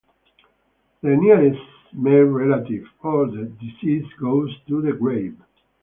The nearest male relative of the deceased goes to the grave.